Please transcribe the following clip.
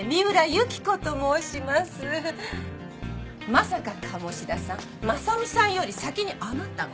まさか鴨志田さん真実さんより先にあなたが？